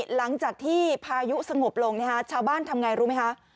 หลังจากที่พายุสงบลงชาวบ้านทำไงรู้ไหมคะ